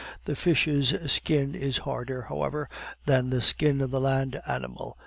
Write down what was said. The fish's skin is harder, however, than the skin of the land animal.